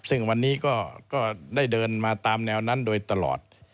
ซึ่งวันนี้ก็ได้เดินมาตามแนวนั้นโดยตลอด